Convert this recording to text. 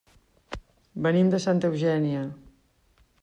Venim de Santa Eugènia.